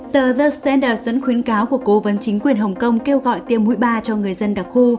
tờ jernders dẫn khuyến cáo của cố vấn chính quyền hồng kông kêu gọi tiêm mũi ba cho người dân đặc khu